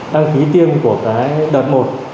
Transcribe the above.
đang ký tiêm của cái đợt một